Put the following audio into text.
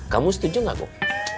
kamu setuju nggak kum